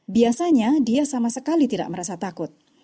biasanya dia sama sekali tidak merasa marah